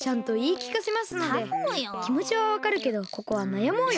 きもちはわかるけどここはなやもうよ！